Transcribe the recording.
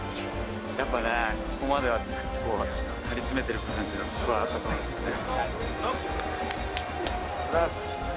やっぱね、ここまではくっと張りつめてる感じがすごいあったと思うんですけどね。